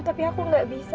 tapi aku gak bisa satria